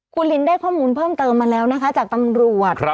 คุณลินได้ข้อมูลเพิ่มเติมมาแล้วนะคะจากตำรวจ